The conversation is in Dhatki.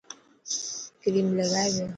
ڪريم لگائي پيو.